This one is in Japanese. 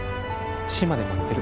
島で待ってる。